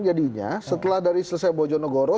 jadinya setelah dari selesai bojonegoro